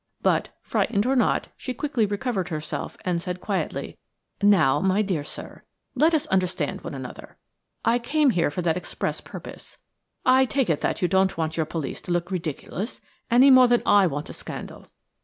But, frightened or not, she quickly recovered herself, and said quietly: "Now, my dear sir, let us understand one another. I came here for that express purpose. I take it that you don't want your police to look ridiculous any more than I want a scandal.